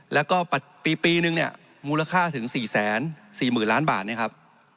แล้วก็ปีนึงเนี่ยมูลค่าถึง๔๔๐๐๐ล้านบาทเนี่ยครับ